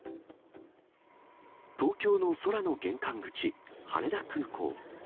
東京の空の玄関口、羽田空港。